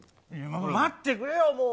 待ってくれよ、もう。